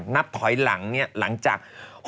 นับถอยหลังเนี่ยหลังจาก